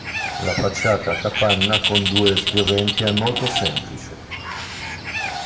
La facciata a capanna con due spioventi è molto semplice.